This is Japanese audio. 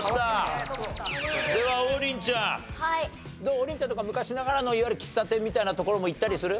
王林ちゃんとか昔ながらのいわゆる喫茶店みたいな所も行ったりする？